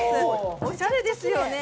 おしゃれですよね。